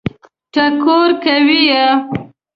ټکور کوي یې.